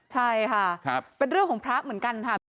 ใช่ค่ะเป็นเรื่องของพระเหมือนกันค่ะพี่